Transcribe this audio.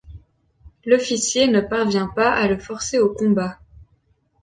L’officier ne parvient pas à le forcer au combat.